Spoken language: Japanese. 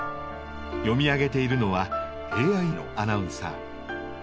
読み上げているのはＡＩのアナウンサー。